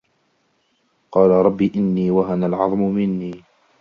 قَالَ رَبِّ إِنِّي وَهَنَ الْعَظْمُ مِنِّي